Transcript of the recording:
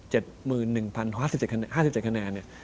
๗๑๐๐๐หรือ๕๗คะแนน